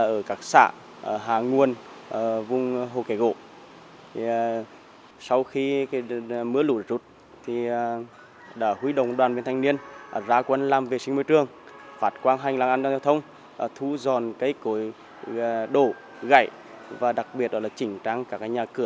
ở các cái xóm ở các cái địa bàn khác